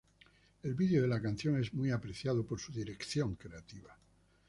El vídeo de la canción es muy apreciado por su dirección creativa.